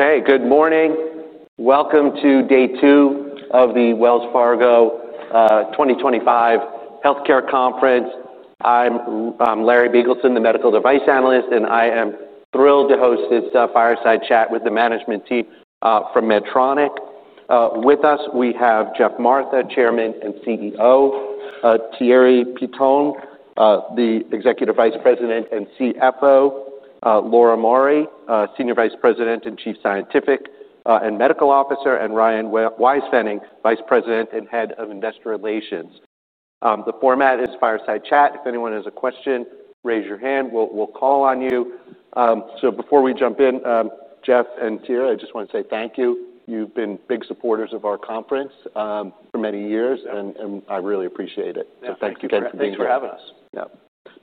Okay, good morning. Welcome to day two of the Wells Fargo 2025 Healthcare Conference. I'm Larry Biegelsen, the medical device analyst, and I am thrilled to host this fireside chat with the management team from Medtronic. With us, we have Geoff Martha, Chairman and CEO, Thierry Piéton, the Executive Vice President and CFO, Laura Mauri, Senior Vice President and Chief Scientific and Medical Officer, and Ryan Weispfenning, Vice President and Head of Investor Relations. The format is fireside chat. If anyone has a question, raise your hand. We'll call on you. So before we jump in, Geoff and Thierry, I just want to say thank you. You've been big supporters of our conference for many years, and I really appreciate it. So thank you again for being here. Thanks for having us. Yeah,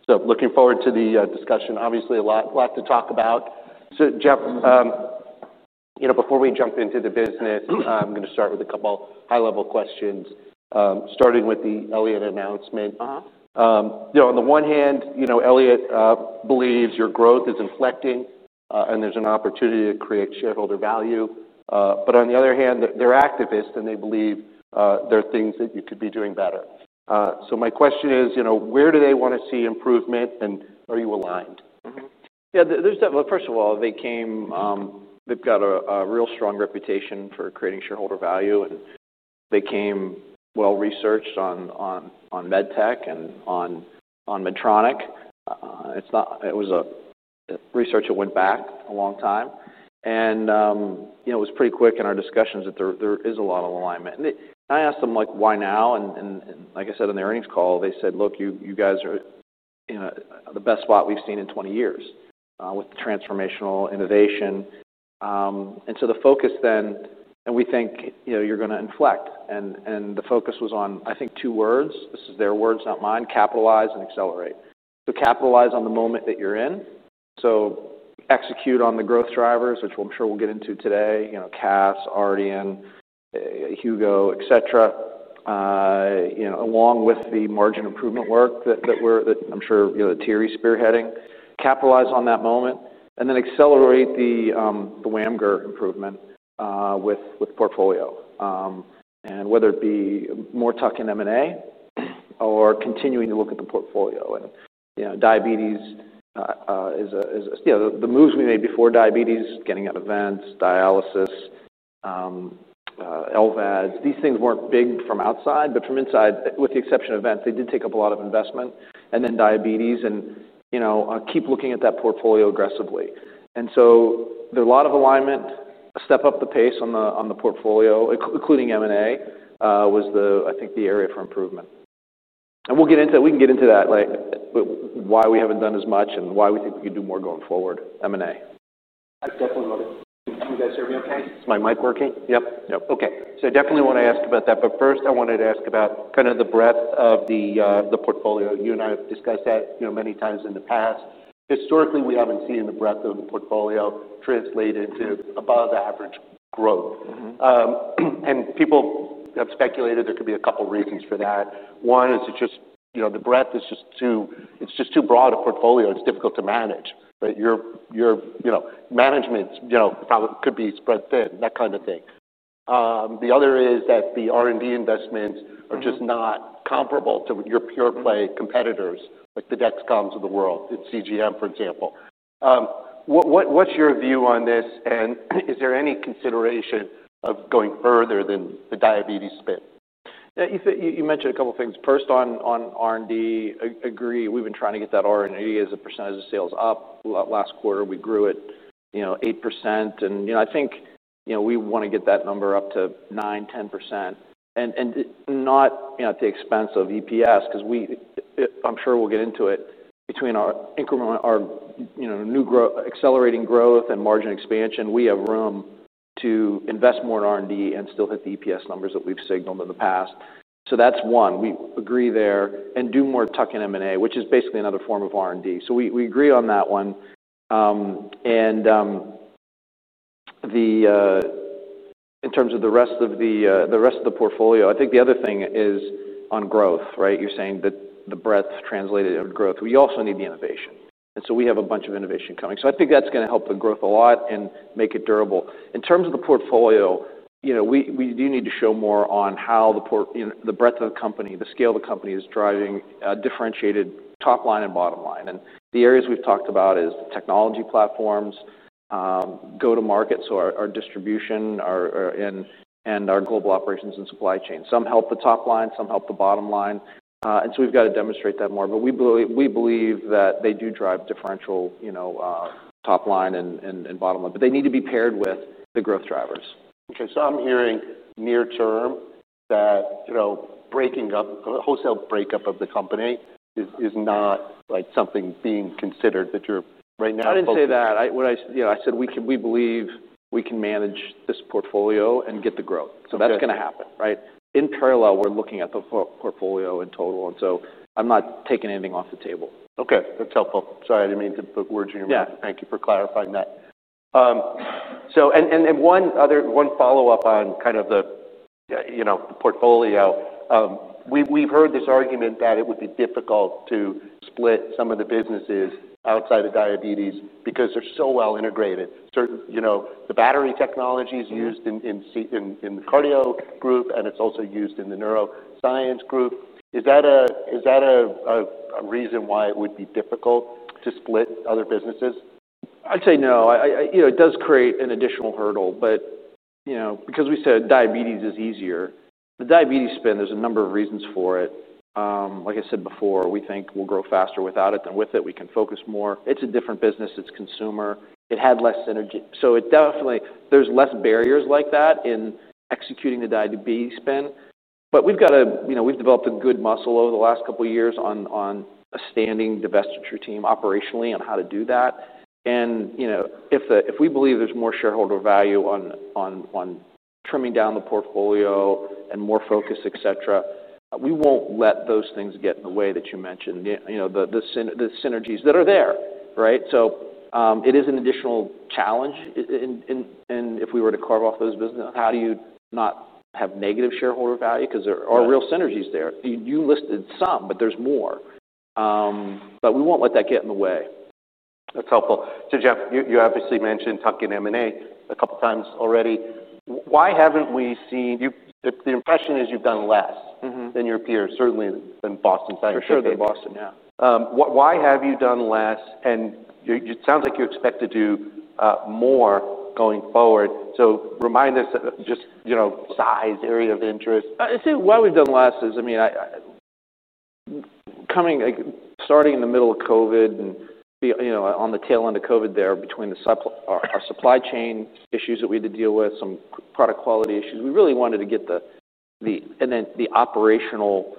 so looking forward to the discussion. Obviously, a lot, lot to talk about. So, Geoff, you know, before we jump into the business, I'm gonna start with a couple high-level questions, starting with the Elliott announcement. Uh-huh. You know, on the one hand, you know, Elliott believes your growth is inflecting, and there's an opportunity to create shareholder value, but on the other hand, they're activists, and they believe there are things that you could be doing better, so my question is, you know, where do they wanna see improvement, and are you aligned? Mm-hmm. Yeah, there's... Well, first of all, they came. They've got a real strong reputation for creating shareholder value, and they came well-researched on med tech and on Medtronic. It was a research that went back a long time. And you know, it was pretty quick in our discussions that there is a lot of alignment. And I asked them, like, why now? And like I said, on the earnings call, they said, "Look, you guys are, you know, the best spot we've seen in twenty years with transformational innovation." And so the focus then... "And we think, you know, you're gonna inflect." And the focus was on, I think, two words. This is their words, not mine, "Capitalize and accelerate." So capitalize on the moment that you're in, so execute on the growth drivers, which I'm sure we'll get into today, you know, CAS, Ardian, Hugo, et cetera, you know, along with the margin improvement work that we're, that I'm sure, you know, Thierry is spearheading. Capitalize on that moment, and then accelerate the WAMGR improvement with the portfolio. And whether it be more tuck-in M&A or continuing to look at the portfolio. And, you know, diabetes is, you know, the moves we made before diabetes, getting out of vents, dialysis, LVADs, these things weren't big from outside, but from inside, with the exception of vents, they did take up a lot of investment. And then diabetes and, you know, keep looking at that portfolio aggressively. And so there's a lot of alignment. Step up the pace on the portfolio, including M&A, was the, I think, the area for improvement. And we'll get into... We can get into that, like, but why we haven't done as much and why we think we could do more going forward, M&A. I definitely want it. Can you guys hear me okay? Is my mic working? Yep. Yep. Okay. So I definitely want to ask about that, but first, I wanted to ask about kind of the breadth of the portfolio. You and I have discussed that, you know, many times in the past. Historically, we haven't seen the breadth of the portfolio translated to above-average growth. Mm-hmm. And people have speculated there could be a couple of reasons for that. One is it's just, you know, the breadth is just too, it's just too broad a portfolio. It's difficult to manage, but your, your, you know, management, you know, probably could be spread thin, that kind of thing. The other is that the R&D investments- Mm-hmm... are just not comparable to your pure-play competitors, like the Dexcoms of the world, the CGM, for example. What's your view on this, and is there any consideration of going further than the diabetes spin? Yeah, you said you mentioned a couple of things. First, on R&D, agree, we've been trying to get that R&D as a percentage of sales up. Last quarter, we grew it, you know, 8%, and, you know, I think, you know, we want to get that number up to 9%-10%, and not, you know, at the expense of EPS, because we... I'm sure we'll get into it. Between our increment, our, you know, new growth, accelerating growth and margin expansion, we have room to invest more in R&D and still hit the EPS numbers that we've signaled in the past. So that's one. We agree there and do more tuck-in M&A, which is basically another form of R&D. So we agree on that one. In terms of the rest of the portfolio, I think the other thing is on growth, right? You're saying that the breadth translated of growth. We also need the innovation, and so we have a bunch of innovation coming, so I think that's gonna help the growth a lot and make it durable. In terms of the portfolio, you know, we do need to show more on how the portfolio, you know, the breadth of the company, the scale of the company is driving a differentiated top line and bottom line, the areas we've talked about is technology platforms, go-to-market, so our distribution and our global operations and supply chain. Some help the top line, some help the bottom line, and so we've got to demonstrate that more. But we believe, we believe that they do drive differential, you know, top line and bottom line, but they need to be paired with the growth drivers. Okay, so I'm hearing near term that, you know, breaking up, a wholesale breakup of the company is not, like, something being considered, that you're right now- I didn't say that. What I... You know, I said, we believe we can manage this portfolio and get the growth. Okay. So that's gonna happen, right? In parallel, we're looking at the portfolio in total, and so I'm not taking anything off the table. Okay, that's helpful. Sorry, I didn't mean to put words in your mouth. Yeah. Thank you for clarifying that. So, one other follow-up on kind of the portfolio. Yeah, you know, we've heard this argument that it would be difficult to split some of the businesses outside of diabetes because they're so well integrated. Certain, you know, the battery technology- Mm-hmm. is used in the cardio group, and it's also used in the neuroscience group. Is that a reason why it would be difficult to split other businesses? I'd say no. You know, it does create an additional hurdle, but, you know, because we said diabetes is easier. The diabetes spin, there's a number of reasons for it. Like I said before, we think we'll grow faster without it than with it. We can focus more. It's a different business. It's consumer. It had less synergy. So it definitely. There's less barriers like that in executing the diabetes spin. But we've got a, you know, we've developed a good muscle over the last couple of years on a standing divestiture team operationally, on how to do that. And, you know, if we believe there's more shareholder value on trimming down the portfolio and more focus, et cetera, we won't let those things get in the way that you mentioned. Yeah, you know, the synergies that are there, right? So, it is an additional challenge in if we were to carve off those businesses. How do you not have negative shareholder value? Right. 'Cause there are real synergies there. You listed some, but there's more. But we won't let that get in the way. That's helpful. So, Geoff, you obviously mentioned tuck-in M&A a couple times already. Why haven't we seen you-- The impression is you've done less- Mm-hmm. than your peers, certainly than Boston Scientific. For sure than Boston, yeah. Why have you done less? And you, it sounds like you expect to do more going forward. So remind us just, you know, size, area of interest. I'd say why we've done less is, starting in the middle of COVID and, on the tail end of COVID there, between the supply chain issues that we had to deal with, some product quality issues, we really wanted to get the and then the operational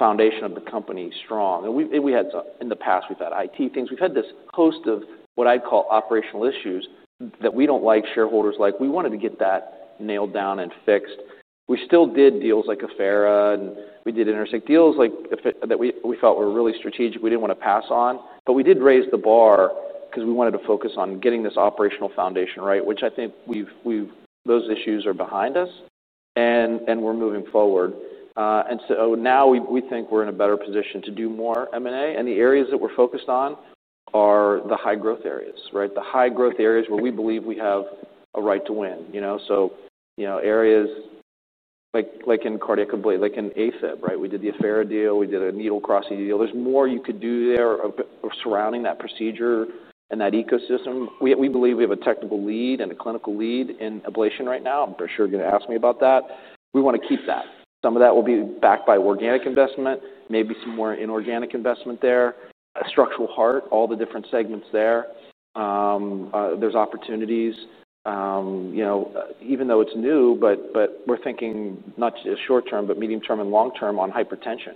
foundation of the company strong. And we had in the past, we've had IT things. We've had this host of what I'd call operational issues that we don't like, shareholders like. We wanted to get that nailed down and fixed. We still did deals like Affera, and we did Intersect. Deals like that we felt were really strategic, we didn't want to pass on, but we did raise the bar 'cause we wanted to focus on getting this operational foundation right, which I think we've those issues are behind us, and we're moving forward, and so now we think we're in a better position to do more M&A, and the areas that we're focused on are the high-growth areas, right? The high-growth areas where we believe we have a right to win, you know, so you know, areas like in cardiac, like in AFib, right? We did the Affera deal. We did a needle crossing deal. There's more you could do there surrounding that procedure and that ecosystem. We believe we have a technical lead and a clinical lead in ablation right now. I'm pretty sure you're gonna ask me about that. We wanna keep that. Some of that will be backed by organic investment, maybe some more inorganic investment there. Structural Heart, all the different segments there. There's opportunities, you know, even though it's new, but we're thinking not just short term, but medium term and long term on hypertension.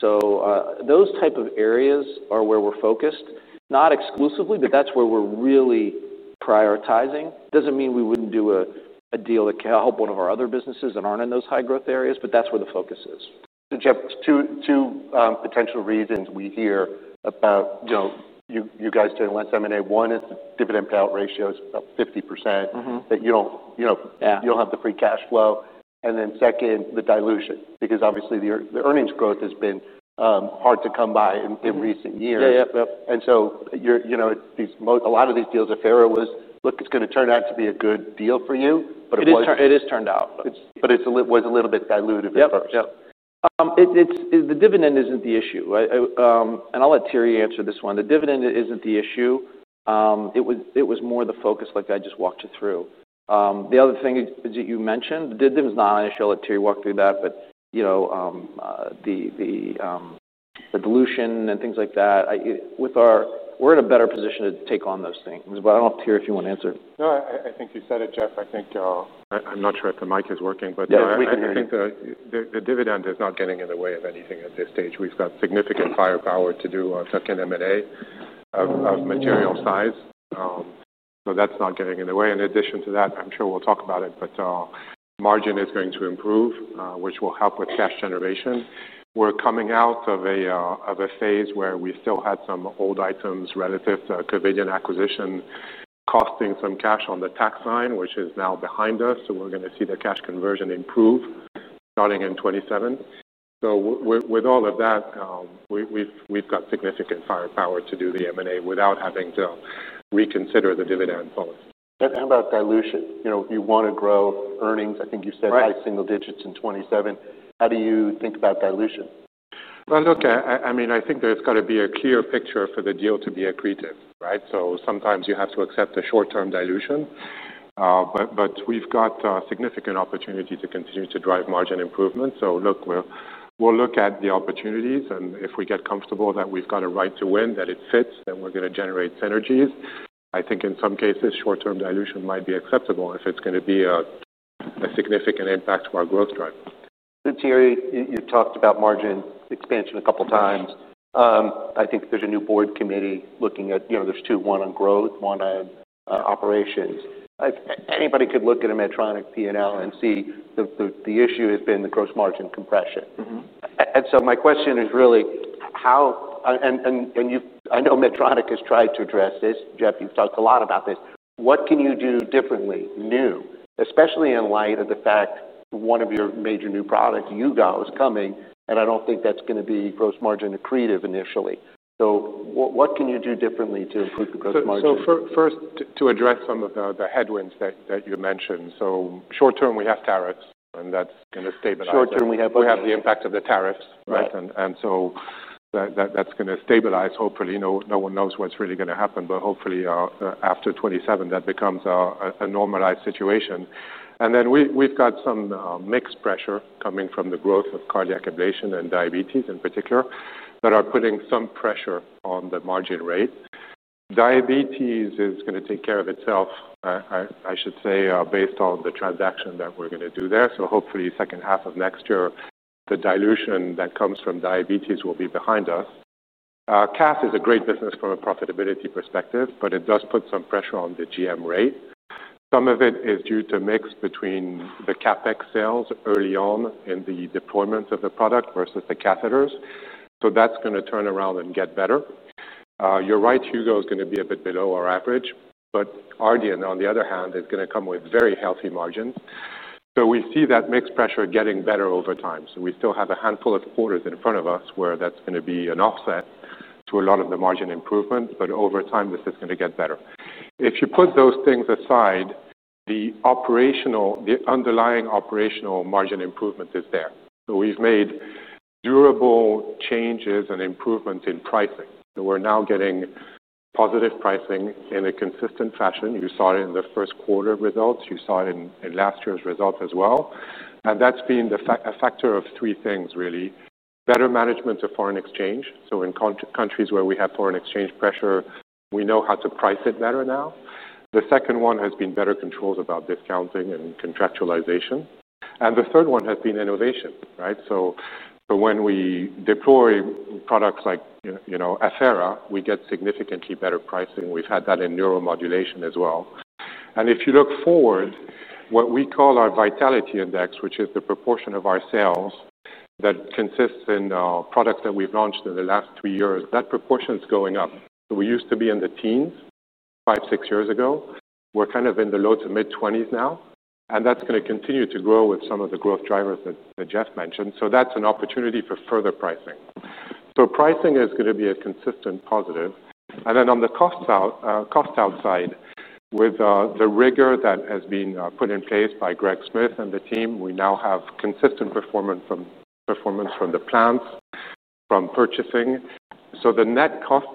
So, those type of areas are where we're focused. Not exclusively, but that's where we're really prioritizing. Doesn't mean we wouldn't do a deal that can help one of our other businesses that aren't in those high-growth areas, but that's where the focus is. Geoff, two potential reasons we hear about, you know, you guys doing less M&A. One is the dividend payout ratio is about 50%. Mm-hmm. that you don't, you know Yeah. You don't have the free cash flow. And then second, the dilution, because obviously the earnings growth has been hard to come by in recent years. Mm-hmm. Yeah, yeah, yep. And so, you know, a lot of these deals, Affera was... Look, it's gonna turn out to be a good deal for you, but it was- It is, it has turned out. But it was a little bit dilutive at first. Yep, yep. It's the dividend isn't the issue, right? And I'll let Thierry answer this one. The dividend isn't the issue. It was more the focus like I just walked you through. The other thing is, you mentioned the... And I'll let Thierry walk through that, but you know, the dilution and things like that, with our-- We're in a better position to take on those things. But I don't know, Thierry, if you want to answer it. No, I think you said it, Geoff. I think, I'm not sure if the mic is working, but- Yeah, we can hear you. I think the dividend is not getting in the way of anything at this stage. We've got significant firepower to do a second M&A of material size. So that's not getting in the way. In addition to that, I'm sure we'll talk about it, but margin is going to improve, which will help with cash generation. We're coming out of a phase where we still had some old items relative to Covidien acquisition, costing some cash on the tax line, which is now behind us, so we're gonna see the cash conversion improve starting in 2027. With all of that, we've got significant firepower to do the M&A without having to reconsider the dividend policy. How about dilution? You know, you want to grow earnings. Right. I think you said high single digits in 2027. How do you think about dilution? Well, look, I mean, I think there's got to be a clear picture for the deal to be accretive, right? So sometimes you have to accept the short-term dilution. But we've got significant opportunity to continue to drive margin improvement. So look, we'll look at the opportunities, and if we get comfortable that we've got a right to win, that it fits, then we're gonna generate synergies. I think in some cases, short-term dilution might be acceptable if it's gonna be a significant impact to our growth drive. Thierry, you've talked about margin expansion a couple of times. Mm-hmm. I think there's a new board committee looking at, you know, there's two, one on growth, one on operations. Anybody could look at a Medtronic P&L and see the issue has been the gross margin compression. Mm-hmm. And so my question is really how and you know, I know Medtronic has tried to address this. Geoff, you've talked a lot about this. What can you do differently, new, especially in light of the fact one of your major new products, Hugo, is coming, and I don't think that's going to be gross margin accretive initially. So what can you do differently to improve the gross margin? First, to address some of the headwinds that you mentioned. Short term, we have tariffs, and that's going to stabilize. Short term, we have- We have the impact of the tariffs, right? Right. And so that's going to stabilize, hopefully. No one knows what's really going to happen, but hopefully, after 2027, that becomes a normalized situation. And then we've got some mixed pressure coming from the growth of cardiac ablation and diabetes in particular, that are putting some pressure on the margin rate. Diabetes is going to take care of itself. I should say, based on the transaction that we're going to do there. So hopefully, second half of next year, the dilution that comes from diabetes will be behind us. Cath is a great business from a profitability perspective, but it does put some pressure on the GM rate. Some of it is due to mix between the CapEx sales early on in the deployment of the product versus the catheters, so that's going to turn around and get better. You're right, Hugo is going to be a bit below our average, but Ardian, on the other hand, is going to come with very healthy margins. So we see that mix pressure getting better over time. So we still have a handful of quarters in front of us where that's going to be an offset to a lot of the margin improvements, but over time, this is going to get better. If you put those things aside, the underlying operational margin improvement is there. So we've made durable changes and improvements in pricing. We're now getting positive pricing in a consistent fashion. You saw it in the first quarter results. You saw it in last year's results as well. And that's been a factor of three things, really. Better management of foreign exchange. So in countries where we have foreign exchange pressure, we know how to price it better now. The second one has been better controls about discounting and contractualization. And the third one has been innovation, right? So when we deploy products like, you know, Affera, we get significantly better pricing. We've had that in neuromodulation as well. And if you look forward, what we call our Vitality Index, which is the proportion of our sales that consists in products that we've launched in the last two years, that proportion is going up. We used to be in the teens, five, six years ago. We're kind of in the low to mid-twenties now, and that's going to continue to grow with some of the growth drivers that that Geoff mentioned. So that's an opportunity for further pricing. So pricing is going to be a consistent positive. And then on the cost out side, with the rigor that has been put in place by Greg Smith and the team, we now have consistent performance from the plants, from purchasing. So the net cost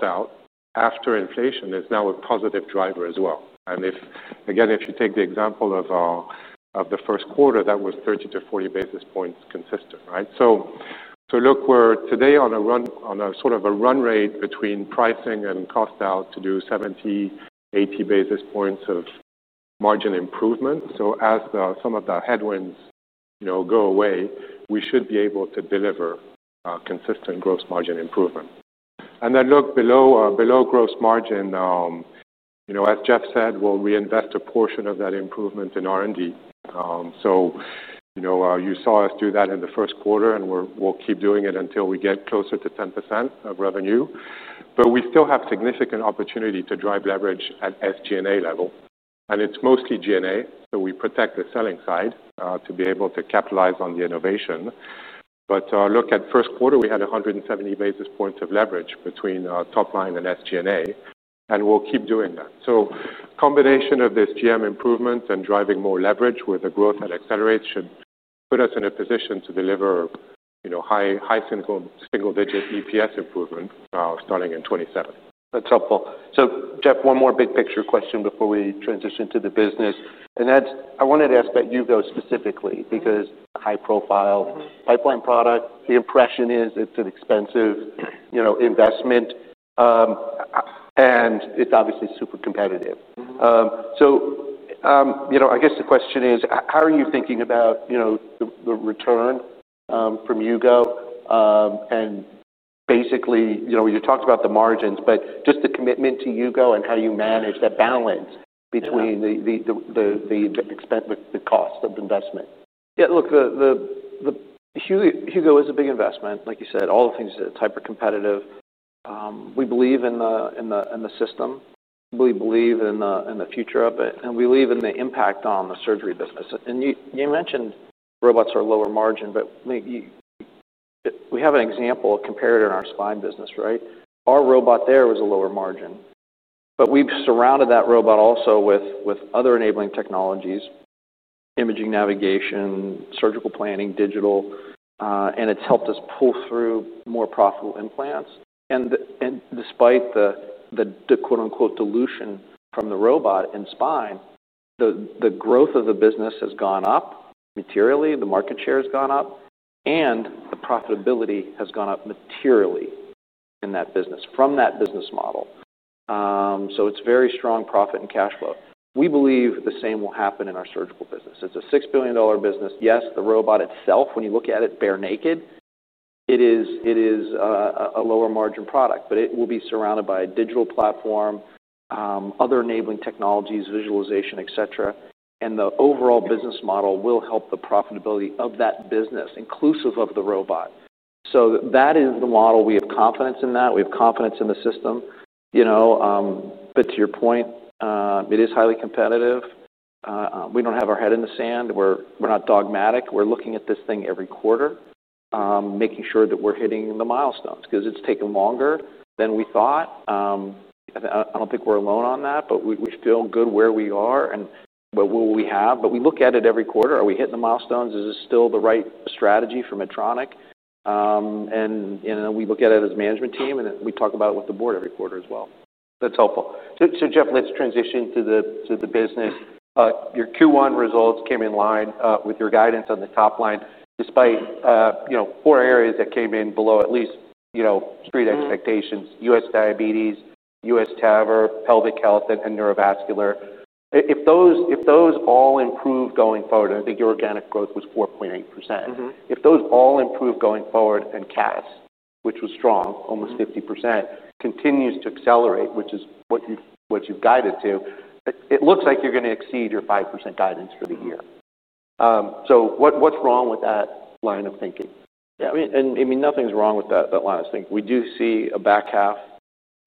out after inflation is now a positive driver as well. And if. Again, if you take the example of the first quarter, that was 30-40 basis points consistent, right? So look, we're today on a sort of a run rate between pricing and cost out to do 70-80 basis points of margin improvement. So as some of the headwinds, you know, go away, we should be able to deliver consistent gross margin improvement, and then look below gross margin, you know, as Geoff said, we'll reinvest a portion of that improvement in R&D, so you know, you saw us do that in the first quarter, and we'll keep doing it until we get closer to 10% of revenue, but we still have significant opportunity to drive leverage at SG&A level, and it's mostly G&A, so we protect the selling side to be able to capitalize on the innovation, but look, at first quarter, we had a hundred and seventy basis points of leverage between top line and SG&A, and we'll keep doing that. So, combination of this GM improvement and driving more leverage with the growth at Accelerate should put us in a position to deliver, you know, high single-digit EPS improvement starting in 2027. That's helpful. So Geoff, one more big-picture question before we transition to the business, and that's- I wanted to ask about Hugo specifically, because high profile, pipeline product, the impression is it's an expensive, you know, investment, and it's obviously super competitive. Mm-hmm. So, you know, I guess the question is: How are you thinking about, you know, the return from Hugo? And basically, you know, you talked about the margins, but just the commitment to Hugo and how you manage that balance between the expense, the cost of investment. Yeah, look, the Hugo is a big investment. Like you said, all the things are hypercompetitive. We believe in the system. We believe in the future of it, and we believe in the impact on the surgery business. And you mentioned robots are lower margin, but maybe we have an example, a comparator in our spine business, right? Our robot there was a lower margin, but we've surrounded that robot also with other enabling technologies, imaging, navigation, surgical planning, digital, and it's helped us pull through more profitable implants. And despite the quote, unquote, "dilution" from the robot in spine, the growth of the business has gone up materially, the market share has gone up, and the profitability has gone up materially in that business, from that business model. So it's very strong profit and cash flow. We believe the same will happen in our surgical business. It's a $6 billion business. Yes, the robot itself, when you look at it bare naked, it is a lower margin product, but it will be surrounded by a digital platform, other enabling technologies, visualization, et cetera, and the overall business model will help the profitability of that business, inclusive of the robot. So that is the model. We have confidence in that. We have confidence in the system, you know, but to your point, it is highly competitive. We don't have our head in the sand. We're not dogmatic. We're looking at this thing every quarter, making sure that we're hitting the milestones 'cause it's taken longer than we thought. I don't think we're alone on that, but we feel good where we are and what we have, but we look at it every quarter. Are we hitting the milestones? Is this still the right strategy for Medtronic, and you know, we look at it as a management team, and we talk about it with the board every quarter as well. That's helpful. So, Geoff, let's transition to the business. Your Q1 results came in line with your guidance on the top line, despite you know, four areas that came in below at least you know, street expectations: U.S. Diabetes, U.S. TAVR, Pelvic Health, and Neurovascular. If those all improve going forward, I think your organic growth was 4.8%. Mm-hmm. If those all improve going forward, and CAS, which was strong, almost 50%, continues to accelerate, which is what you've guided to, it looks like you're gonna exceed your 5% guidance for the year, so what's wrong with that line of thinking? Yeah, I mean, and I mean, nothing's wrong with that, that line of thinking. We do see a back half...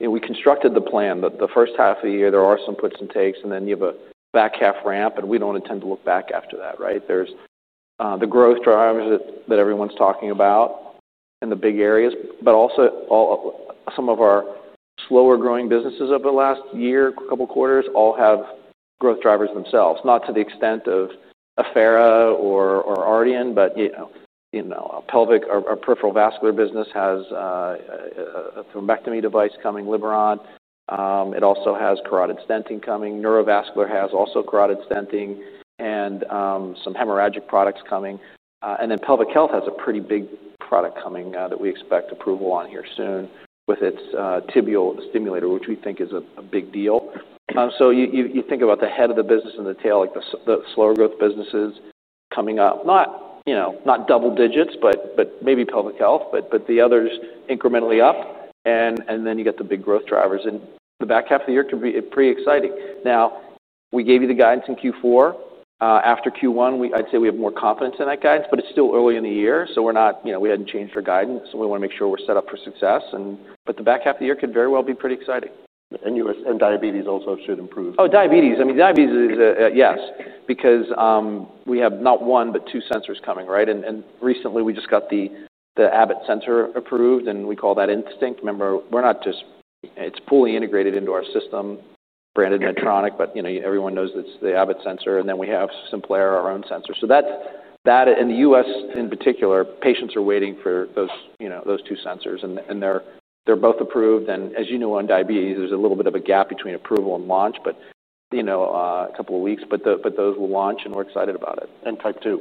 And we constructed the plan. The first half of the year, there are some puts and takes, and then you have a back-half ramp, and we don't intend to look back after that, right? There's the growth drivers that everyone's talking about in the big areas, but also some of our slower-growing businesses over the last year, couple quarters, all have growth drivers themselves, not to the extent of Affera or Ardian. But, you know, our pelvic, our peripheral vascular business has a thrombectomy device coming. It also has carotid stenting coming. Neurovascular has also carotid stenting and some hemorrhagic products coming. And then Pelvic Health has a pretty big product coming, that we expect approval on here soon with its tibial stimulator, which we think is a big deal. So you think about the head of the business and the tail, like the slower growth businesses coming up, not you know, not double digits, but maybe Pelvic Health, but the others incrementally up, and then you get the big growth drivers, and the back half of the year could be pretty exciting. Now, we gave you the guidance in Q4. After Q1, I'd say we have more confidence in that guidance, but it's still early in the year, so we're not you know, we hadn't changed our guidance. So we wanna make sure we're set up for success and... But the back half of the year could very well be pretty exciting. U.S., and diabetes also should improve. Oh, diabetes. I mean, diabetes is a yes, because we have not one but two sensors coming, right? And recently we just got the Abbott sensor approved, and we call that Instinct. Remember, we're not just. It's fully integrated into our system, branded Medtronic, but you know, everyone knows it's the Abbott sensor, and then we have Simplera, our own sensor. So that in the US, in particular, patients are waiting for those, you know, those two sensors, and they're both approved. And as you know, on diabetes, there's a little bit of a gap between approval and launch, but you know, a couple of weeks. But those will launch, and we're excited about it. Type 2.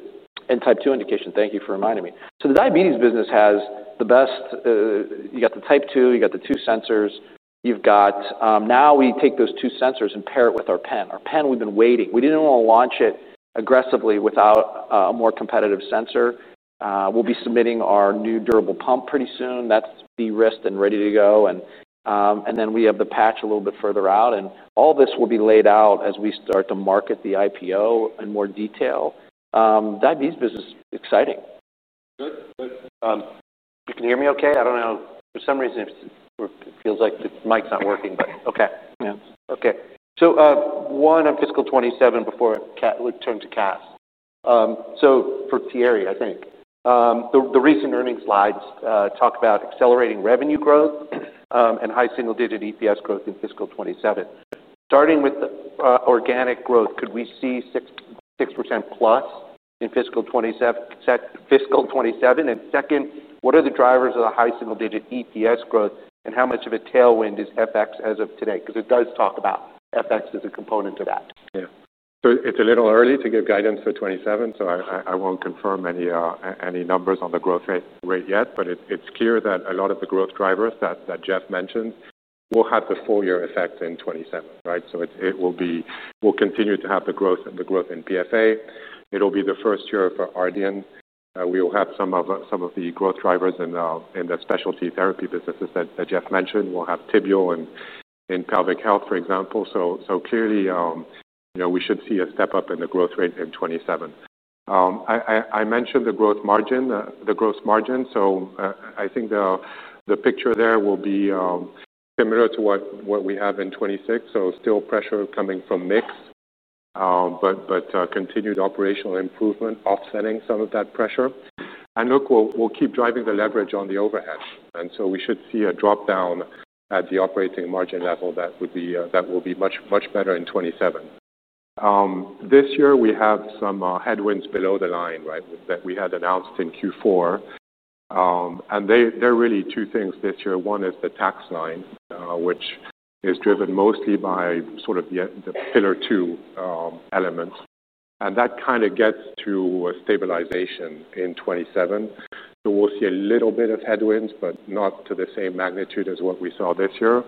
Type 2 indication. Thank you for reminding me. The diabetes business has the best. You got the Type 2. You got the two sensors. You've got, now we take those two sensors and pair it with our pen. Our pen, we've been waiting. We didn't want to launch it aggressively without a more competitive sensor. We'll be submitting our new durable pump pretty soon. That's de-risked and ready to go. And then we have the patch a little bit further out, and all this will be laid out as we start to market the IPO in more detail. Diabetes business is exciting. Good. Good. You can hear me okay? I don't know. For some reason, it feels like the mic's not working, but okay. Yeah. Okay. So, one on fiscal twenty-seven before we turn to CAS. So for Thierry, I think. The recent earnings slides talk about accelerating revenue growth and high single-digit EPS growth in fiscal twenty-seven. Starting with organic growth, could we see 6% plus in fiscal twenty-seven? And second, what are the drivers of the high single-digit EPS growth, and how much of a tailwind is FX as of today? Because it does talk about FX as a component of that. Yeah. So it's a little early to give guidance for 2027, so I won't confirm any numbers on the growth rate yet. But it's clear that a lot of the growth drivers that Geoff mentioned will have the full year effect in 2027, right? So we'll continue to have the growth in PSA. It'll be the first year for Ardian. We will have some of the growth drivers in the specialty therapy businesses that Geoff mentioned. We'll have tibial and Pelvic Health, for example. So clearly, you know, we should see a step-up in the growth rate in 2027. I mentioned the growth margin, so I think the picture there will be similar to what we have in 2026. So still pressure coming from mix, but continued operational improvement offsetting some of that pressure. And look, we'll keep driving the leverage on the overhead, and so we should see a drop-down at the operating margin level that would be, that will be much better in 2027. This year, we have some headwinds below the line, right, that we had announced in Q4. And they're really two things this year. One is the tax line, which is driven mostly by sort of the Pillar 2 elements, and that kind of gets to a stabilization in 2027. So we'll see a little bit of headwinds, but not to the same magnitude as what we saw this year,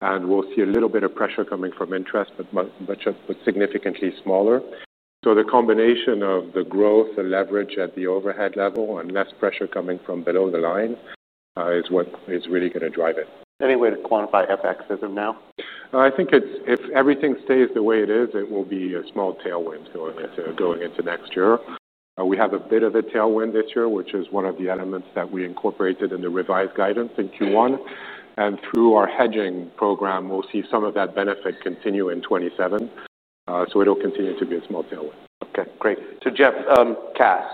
and we'll see a little bit of pressure coming from interest, but much, but significantly smaller. So the combination of the growth and leverage at the overhead level and less pressure coming from below the line is what is really going to drive it. Any way to quantify FX as of now? I think if everything stays the way it is, it will be a small tailwind going into next year. We have a bit of a tailwind this year, which is one of the elements that we incorporated in the revised guidance in Q1, and through our hedging program, we'll see some of that benefit continue in 2027. So it'll continue to be a small tailwind. Okay, great. So Geoff, CAS.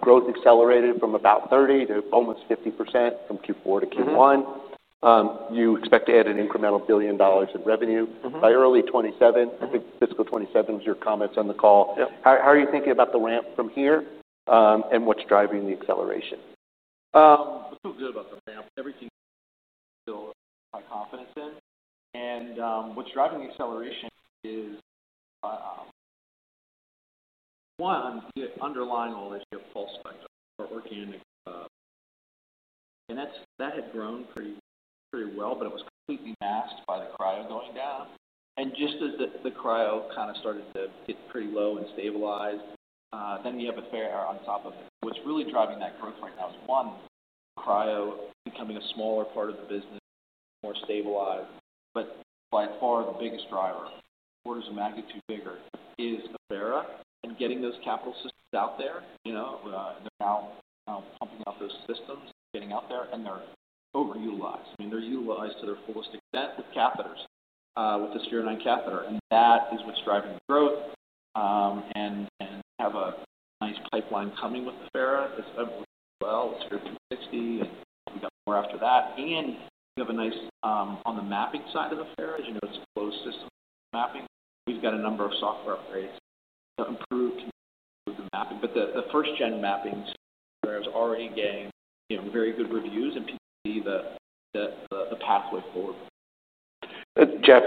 Growth accelerated from about 30% to almost 50% from Q4 to Q1. Mm-hmm. You expect to add an incremental $1 billion in revenue- Mm-hmm by early 2027. Mm-hmm. I think fiscal 2027 was your comments on the call. Yep. How are you thinking about the ramp from here, and what's driving the acceleration? I feel good about the ramp. Everything feel my confidence in. And, what's driving the acceleration is, one, the underlying all this year, PulseSelect, our organic. And that's- that had grown pretty well, but it was completely masked by the cryo going down. And just as the cryo kind of started to get pretty low and stabilized, then you have Affera on top of it. What's really driving that growth right now is, one, cryo becoming a smaller part of the business, more stabilized. But by far, the biggest driver, orders of magnitude bigger, is Affera and getting those capital systems out there. You know, they're now pumping out those systems, getting out there, and they're overutilized. I mean, they're utilized to their fullest extent with catheters, with the Sphere-9 catheter, and that is what's driving the growth. We have a nice pipeline coming with Affera as well, Sphere-9, and we got more after that. We have a nice... On the mapping side of Affera, as you know, it's a closed system mapping. We've got a number of software upgrades to improve the mapping, but the first-gen mappings, Affera is already getting, you know, very good reviews and see the pathway forward. Geoff,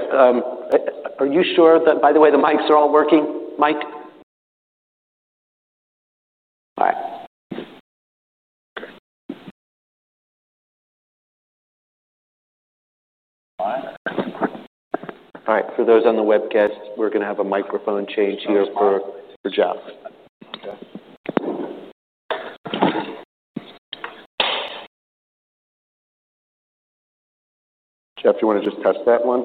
are you sure that by the way, the mics are all working, Mike? All right. All right. For those on the webcast, we're going to have a microphone change here for Geoff. Okay. Geoff, do you want to just test that one?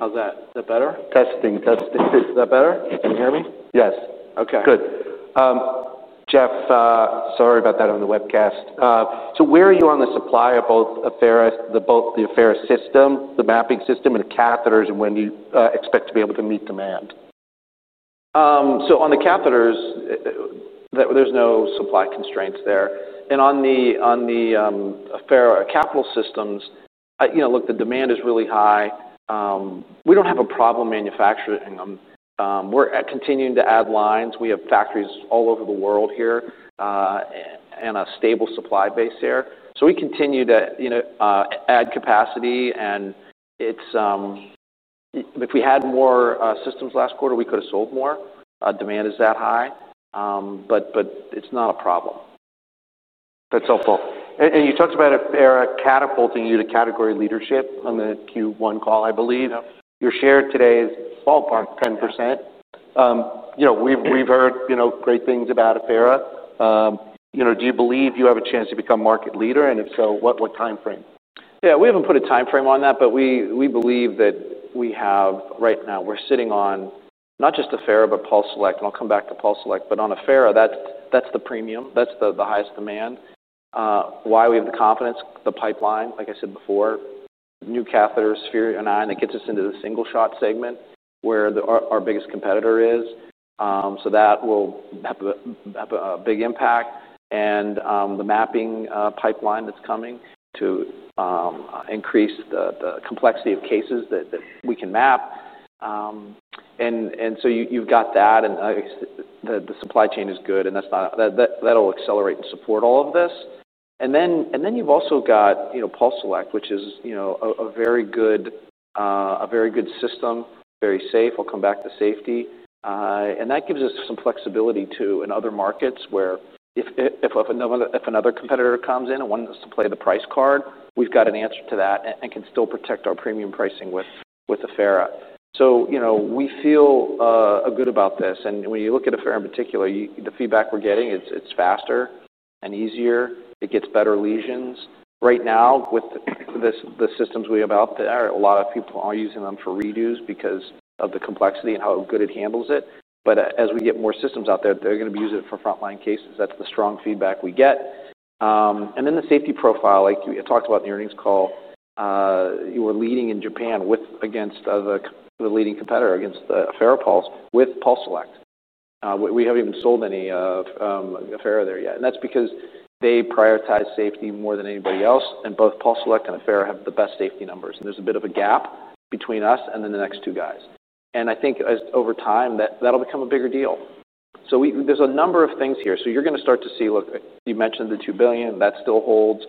How's that? Is that better? Testing. Testing. Is that better? Can you hear me? Yes. Okay. Good. Geoff, sorry about that on the webcast. So where are you on the supply of both the Affera system, the mapping system, and catheters, and when do you expect to be able to meet demand? So on the catheters, there's no supply constraints there. And on the Affera capital systems, you know, look, the demand is really high. We don't have a problem manufacturing them. We're continuing to add lines. We have factories all over the world here, and a stable supply base there. So we continue to, you know, add capacity, and it's... If we had more systems last quarter, we could have sold more. Demand is that high, but it's not a problem. That's helpful. And you talked about Affera catapulting you to category leadership on the Q1 call, I believe. Yep. Your share today is ballpark 10%. You know, we've heard, you know, great things about Affera. You know, do you believe you have a chance to become market leader? And if so, what timeframe? Yeah, we haven't put a timeframe on that, but we believe that we have. Right now, we're sitting on not just Affera, but PulseSelect, and I'll come back to PulseSelect. But on Affera, that's the premium, that's the highest demand. Why we have the confidence? The pipeline, like I said before, new catheters, Sphere-9, that gets us into the single shot segment where our biggest competitor is. So that will have a big impact. And the mapping pipeline that's coming to increase the complexity of cases that we can map. And so you've got that, and the supply chain is good, and that will accelerate and support all of this. And then you've also got, you know, PulseSelect, which is, you know, a very good system, very safe. We'll come back to safety. And that gives us some flexibility too in other markets, where if another competitor comes in and wants to play the price card, we've got an answer to that and can still protect our premium pricing with Affera. So, you know, we feel good about this, and when you look at Affera in particular, the feedback we're getting, it's faster and easier, it gets better lesions. Right now, with the systems we have out there, a lot of people are using them for redos because of the complexity and how good it handles it. But as we get more systems out there, they're going to use it for frontline cases. That's the strong feedback we get. And then the safety profile, like we talked about in the earnings call, you were leading in Japan against the leading competitor, against the Farapulse, with PulseSelect. We haven't even sold any Affera there yet, and that's because they prioritize safety more than anybody else, and both PulseSelect and Affera have the best safety numbers. And there's a bit of a gap between us and then the next two guys. And I think as over time, that'll become a bigger deal. So there's a number of things here. So you're going to start to see, look, you mentioned the $2 billion, that still holds.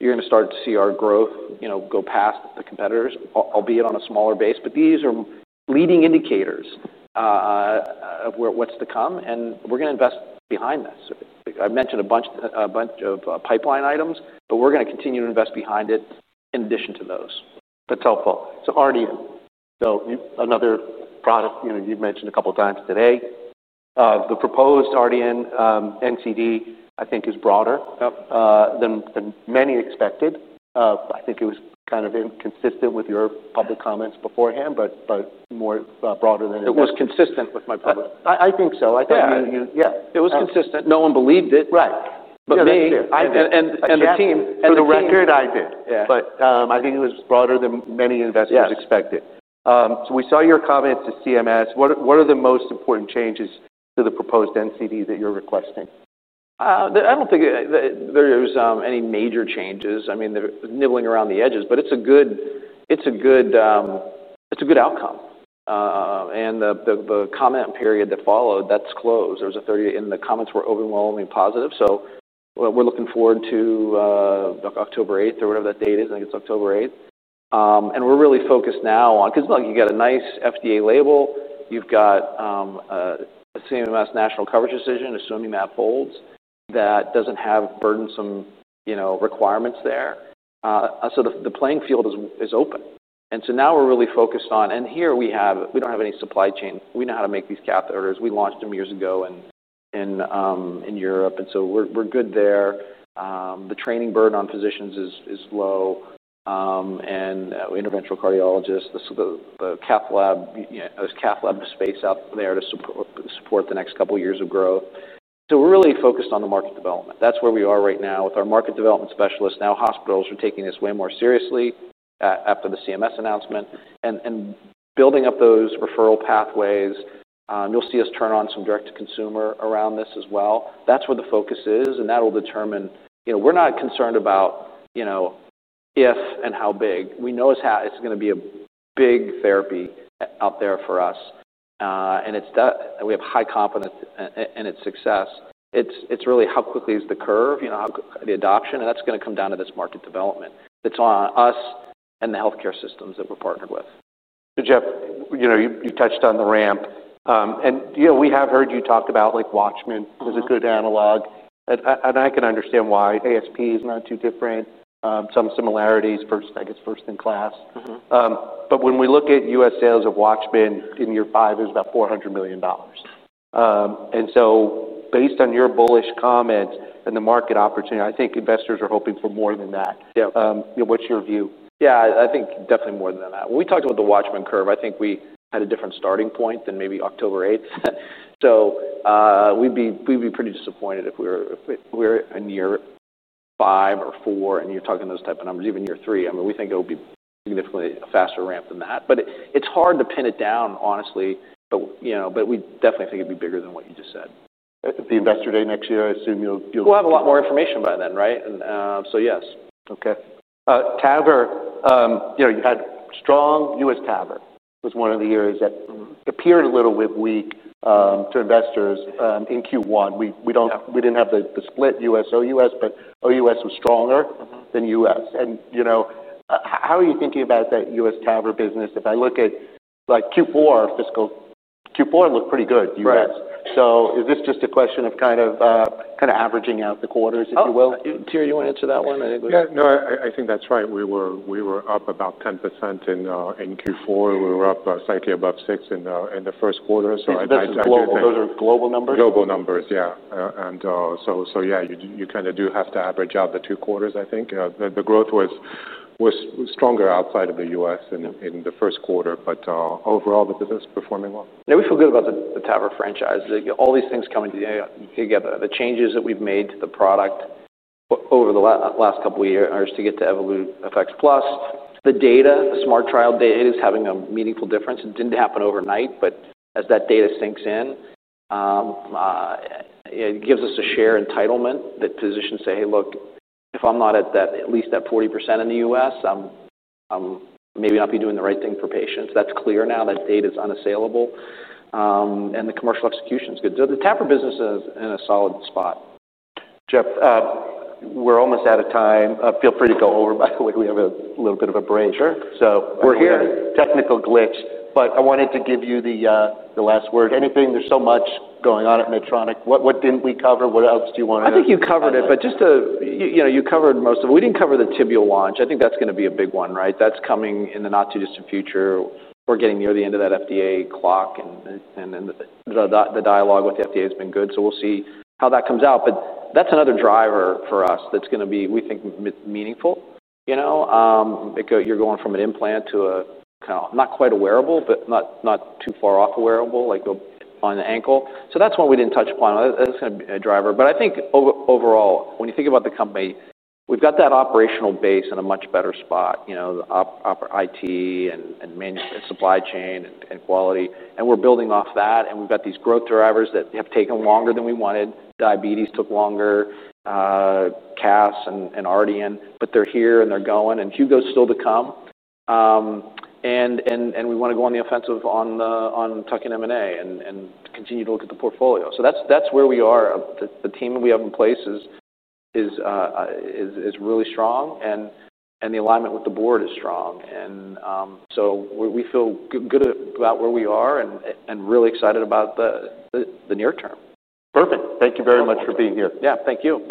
You're going to start to see our growth, you know, go past the competitors, albeit on a smaller base. But these are leading indicators of what's to come, and we're going to invest behind this. I've mentioned a bunch of pipeline items, but we're going to continue to invest behind it in addition to those. That's helpful. So Arneet? So you, another product, you know, you've mentioned a couple of times today. The proposed RDN, NCD, I think is broader- Yep. Than many expected. I think it was kind of inconsistent with your public comments beforehand, but more broader than it is. It was consistent with my public- I think so. Yeah. I think, I mean, you... Yeah. It was consistent. No one believed it- Right -but me. I did. the team. For the record, I did. Yeah. But, I think it was broader than many investors expected. Yeah. So, we saw your comments to CMS. What are the most important changes to the proposed NCD that you're requesting? I don't think there's any major changes. I mean, they're nibbling around the edges, but it's a good outcome. And the comment period that followed, that's closed. And the comments were overwhelmingly positive. So we're looking forward to October eighth or whatever that date is. I think it's October eighth. And we're really focused now on, 'cause, look, you got a nice FDA label. You've got a CMS National Coverage Determination, assuming that holds, that doesn't have burdensome, you know, requirements there. So the playing field is open. And so now we're really focused on. And here we have, we don't have any supply chain. We know how to make these catheters. We launched them years ago in Europe, and so we're good there. The training burden on physicians is low, and interventional cardiologists, the cath lab, you know, there's cath lab space out there to support the next couple of years of growth. So we're really focused on the market development. That's where we are right now with our market development specialists. Now, hospitals are taking this way more seriously after the CMS announcement and building up those referral pathways. You'll see us turn on some direct to consumer around this as well. That's where the focus is, and that will determine... You know, we're not concerned about, you know, if and how big. We know it's gonna be a big therapy out there for us, and we have high confidence in its success. It's really how quickly is the curve, you know, how the adoption, and that's gonna come down to this market development. It's on us and the healthcare systems that we're partnered with. Geoff, you know, you touched on the ramp. And you know, we have heard you talk about, like, Watchman as a good analog, and I can understand why. ASP is not too different. Some similarities. First, I guess, first in class. Mm-hmm. But when we look at US sales of Watchman in year five, it was about $400 million, and so based on your bullish comments and the market opportunity, I think investors are hoping for more than that. Yeah. What's your view? Yeah, I think definitely more than that. When we talked about the Watchman curve, I think we had a different starting point than maybe October eighth, so we'd be pretty disappointed if we're in year five or four, and you're talking those type of numbers, even year three. I mean, we think it will be significantly a faster ramp than that, but it's hard to pin it down, honestly, but you know, we definitely think it'd be bigger than what you just said. At the investor day next year, I assume you'll- We'll have a lot more information by then, right? And, so, yes. Okay. TAVR, you know, you had strong US TAVR. Was one of the areas that appeared a little bit weak to investors in Q1. We, we don't- Yeah... we didn't have the split US, OUS, but OUS was stronger- Mm-hmm... than US. And, you know, how are you thinking about that US TAVR business? If I look at, like, Q4, fiscal Q4 looked pretty good, US. Right. So is this just a question of kind of, kind of averaging out the quarters, if you will? Oh, Thierry, you want to answer that one? I think- Yeah. No, I think that's right. We were up about 10% in Q4. We were up slightly above six in the first quarter. So I do think- Those are global, those are global numbers? Global numbers, yeah. And so yeah, you kind of do have to average out the two quarters, I think. The growth was stronger outside of the U.S.- Yeah... in the first quarter, but overall, the business is performing well. Yeah, we feel good about the TAVR franchise. All these things coming together. The changes that we've made to the product over the last couple of years to get to Evolut FX+. The data, the SMART trial data, is having a meaningful difference. It didn't happen overnight, but as that data sinks in, it gives us a share entitlement that physicians say, "Hey, look, if I'm not at that, at least that 40% in the US, I'm maybe not be doing the right thing for patients." That's clear now. That data is unassailable, and the commercial execution is good. So the TAVR business is in a solid spot. Geoff, we're almost out of time. Feel free to go over. By the way, we have a little bit of a break. Sure. So we're hearing technical glitch, but I wanted to give you the, the last word. Anything? There's so much going on at Medtronic. What, what didn't we cover? What else do you want to- I think you covered it. Cover? But just to... You know, you covered most of it. We didn't cover the tibial launch. I think that's gonna be a big one, right? That's coming in the not-too-distant future. We're getting near the end of that FDA clock, and the dialogue with the FDA has been good, so we'll see how that comes out. But that's another driver for us that's gonna be, we think, meaningful. You know, because you're going from an implant to a kind of not quite a wearable, but not too far off a wearable, like on the ankle. So that's one we didn't touch upon. That's gonna be a driver. But I think overall, when you think about the company, we've got that operational base in a much better spot. You know, the operations IT and management, supply chain and quality, and we're building off that, and we've got these growth drivers that have taken longer than we wanted. Diabetes took longer, CAS and RDN, but they're here, and they're going, and Hugo's still to come. We want to go on the offensive on the tuck-in M&A and to continue to look at the portfolio. So that's where we are. The team we have in place is really strong, and the alignment with the board is strong. So we feel good about where we are and really excited about the near term. Perfect. Thank you very much for being here. Yeah, thank you.